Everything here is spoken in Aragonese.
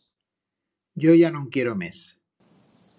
Yo ya no'n quiero mes.